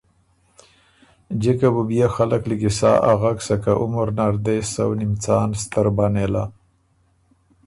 جکه بُو بيې خلق لیکی سا اغک سکه عمر نر دې سؤنیم څان ستر بۀ نېله۔